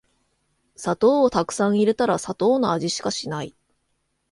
砂糖をたくさん入れたら砂糖の味しかしない